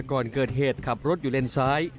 ก่อนเกิดเหตุขับรถอยู่เลนซ้าย